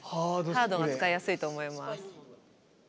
ハードが使いやすいと思います。